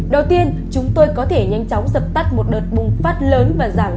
đầu tiên chúng tôi có thể nhanh chóng giật tắt một đợt bùng phát lớn và rãi ràng